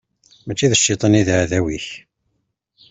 Mačči d cciṭan i d aɛdaw-ik.